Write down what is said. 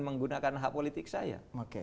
menggunakan hak politik saya